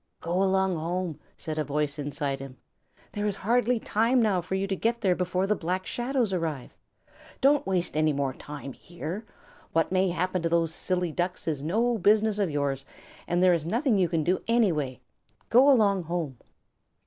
"Go along home," said a voice inside him, "there is hardly time now for you to get there before the Black Shadows arrive. Don't waste any more time here. What may happen to those silly Ducks is no business of yours, and there is nothing you can do, anyway. Go along home."